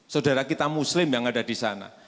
saudara kita muslim yang ada di sana